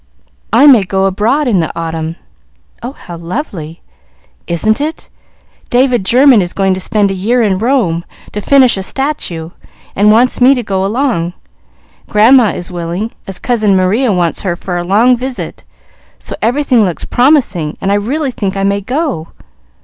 "I may go abroad in the autumn." "Oh, how lovely!" "Isn't it? David German is going to spend a year in Rome, to finish a statue, and wants me to go along. Grandma is willing, as cousin Maria wants her for a long visit, so everything looks promising and I really think I may go."